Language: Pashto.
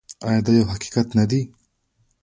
آیا دا یو حقیقت نه دی؟